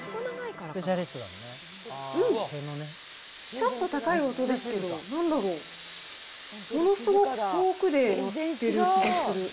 うん、ちょっと高い音ですけど、なんだろう、ものすごく遠くで鳴ってる気がする。